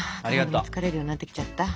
疲れるようになってきちゃった。